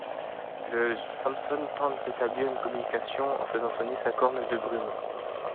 Le Sampson tente d'établir une communication en faisant sonner sa corne de brume.